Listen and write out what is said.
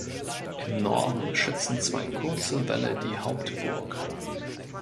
Im Norden schützen zwei kurze Wälle die Hauptburg.